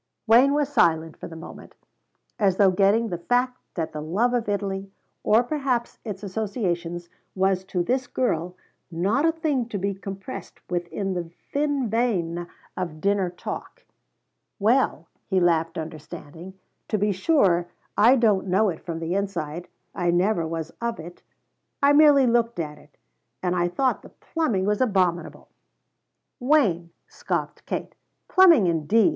Wayne was silent for the moment, as though getting the fact that the love of Italy, or perhaps its associations, was to this girl not a thing to be compressed within the thin vein of dinner talk. "Well," he laughed understanding, "to be sure I don't know it from the inside. I never was of it; I merely looked at it. And I thought the plumbing was abominable." "Wayne," scoffed Kate, "plumbing indeed!